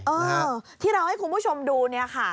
เออที่เราให้คุณผู้ชมดูเนี่ยค่ะ